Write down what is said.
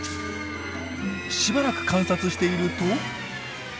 しばらく観察していると。